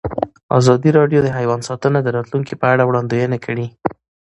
ازادي راډیو د حیوان ساتنه د راتلونکې په اړه وړاندوینې کړې.